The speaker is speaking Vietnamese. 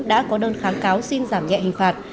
đã có đơn kháng cáo xin giảm nhẹ hình phạt